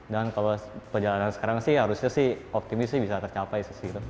dan kalau perjalanan sekarang sih harusnya sih optimis sih bisa tercapai